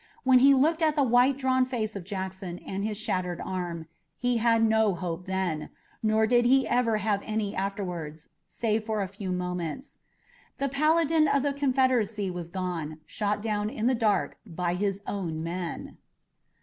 When he looked at the white, drawn face of Jackson and his shattered arm, he had no hope then, nor did he ever have any afterwards, save for a few moments. The paladin of the Confederacy was gone, shot down in the dark by his own men.